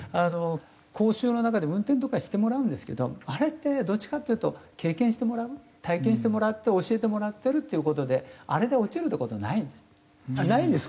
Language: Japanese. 講習の中で運転とかしてもらうんですけどあれってどっちかっていうと経験してもらう体験してもらって教えてもらってるっていう事であれで落ちるって事はないんです。